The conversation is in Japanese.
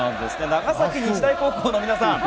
長崎日大高校の皆さん。